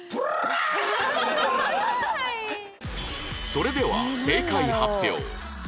それでは正解発表